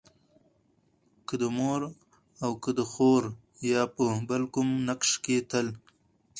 که د مور او که د خور يا په بل کوم نقش کې تل